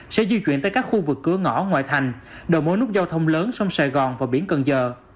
sẽ di chuyển tới các khu vực cửa ngõ ngoại thành đồ mối nút giao thông lớn sông sài gòn và biển cần giờ